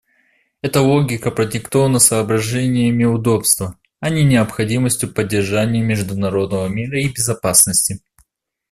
Эта логика продиктована соображениями удобства, а не необходимостью поддержания международного мира и безопасности.